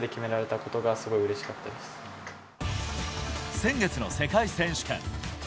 先月の世界選手権。